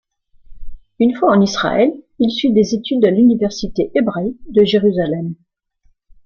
Une fois en Israël, il suit des études à l'université hébraïque de Jérusalem.